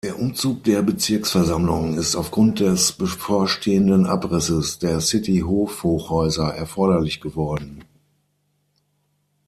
Der Umzug der Bezirksversammlung ist aufgrund des bevorstehenden Abrisses der City-Hof-Hochhäuser erforderlich geworden.